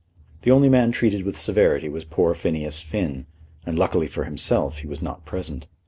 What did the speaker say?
The only man treated with severity was poor Phineas Finn, and luckily for himself he was not present.